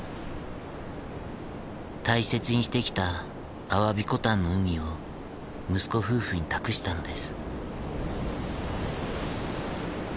大切にしてきた鮑古丹の海を息子夫婦に託したのです。